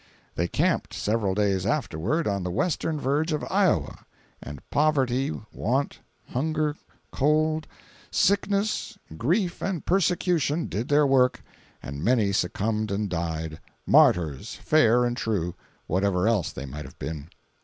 They camped, several days afterward, on the western verge of Iowa, and poverty, want, hunger, cold, sickness, grief and persecution did their work, and many succumbed and died—martyrs, fair and true, whatever else they might have been.